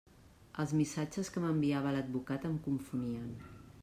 Els missatges que m'enviava l'advocat em confonien.